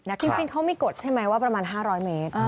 จริงเขามีกฎใช่ไหมว่าประมาณ๕๐๐เมตร